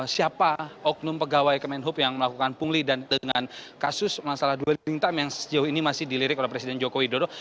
siapa oknum pegawai kemenhub yang melakukan pungli dan dengan kasus masalah dwelling time yang sejauh ini masih dilirik oleh presiden joko widodo